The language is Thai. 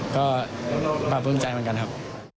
ก็ปราบภูมิใจเหมือนกันครับ